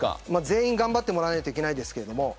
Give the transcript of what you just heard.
全員頑張ってもらわないといけないですけど。